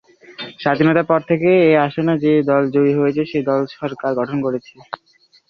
স্বাধীনতার পর থেকে এই আসনে যে দল জয়ী হয়েছে সে দল-ই সরকার গঠন করেছে।